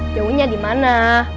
jauhnya di mana